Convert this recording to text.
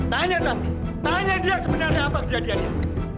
tanya nanti tanya dia sebenarnya apa kejadiannya